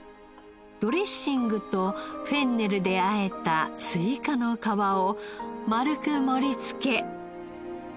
ドレッシングとフェンネルであえたスイカの皮を丸く盛り付け。